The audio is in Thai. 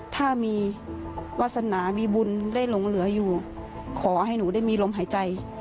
ถ้ามีวาสนามีบุญได้หลงเหลืออยู่ขอให้หนูได้มีลมหายใจ